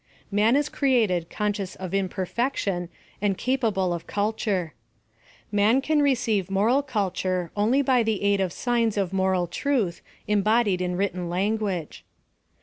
M»an is created conscious of imperfection and capable of culture. Man can receive moral culture only by the aid of signs of moral truth embodied in written lan guage.